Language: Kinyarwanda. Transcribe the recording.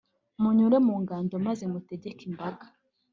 munyure mu ngando maze mutegeke imbaga,